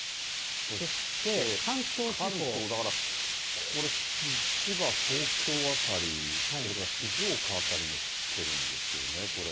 そして、関東、だからこれ、千葉、東京辺り、それから静岡辺りも降ってるんですよね、これ。